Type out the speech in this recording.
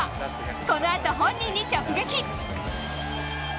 この後本人に直撃。